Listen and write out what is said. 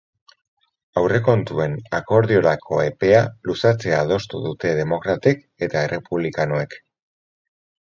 Aurrekontuen akordiorako epea luzatzea adostu dute demokratek eta errepublikanoek.